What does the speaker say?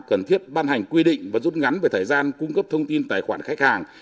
cần thiết ban hành quy định và rút ngắn về thời gian cung cấp thông tin tài khoản khách hàng